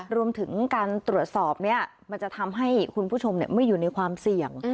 รวมถึงการตรวจสอบนี้มันจะทำให้คุณผู้ชมไม่อยู่ในความเสี่ยง